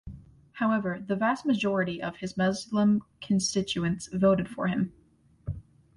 However the vast majority of his Muslim constituents voted for him.